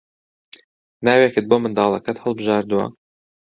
ناوێکت بۆ منداڵەکەت هەڵبژاردووە؟